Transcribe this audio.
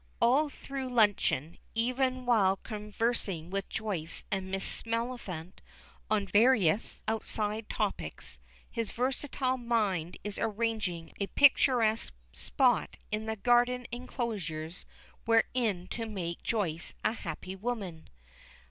All through luncheon, even while conversing with Joyce and Miss Maliphant on various outside topics, his versatile mind is arranging a picturesque spot in the garden enclosures wherein to make Joyce a happy woman!